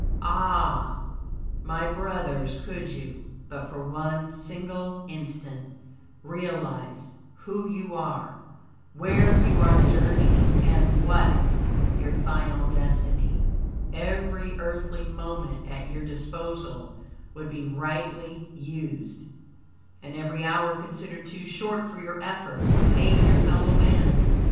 Ah! my brothers could you, but for one single instant, realize WHO you are, WHERE you are journeying, and WHAT your final destiny, every earthly moment at your disposal would be rightly used, and every hour considered too short for your efforts to aid your fellow man.